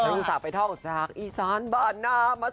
ฉันอยู่สระไปท่องจากอีสานบ้านน้ำ